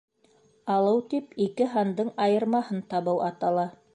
Алыу тип ике һандың айырмаһын табыу атала